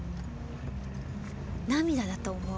涙だと思う。